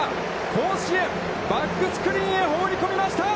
甲子園、バックスクリーンへ放り込みました。